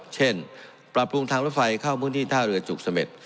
เช่นปรับปรุงทางรถไฟเข้าพื้นที่ท่าเรือจุกเสม็ด